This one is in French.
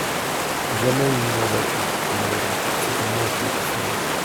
Jamais il ne m'a battue, le malheureux ! C'était moi qui étais folle.